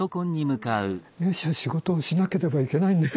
よし仕事をしなければいけないんだよ